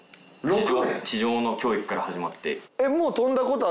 地上の教育から始まって。